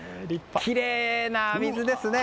きれいな水ですね。